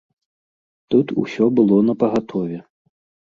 Тут усё было напагатове.